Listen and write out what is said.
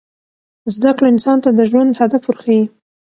زده کړه انسان ته د ژوند هدف ورښيي.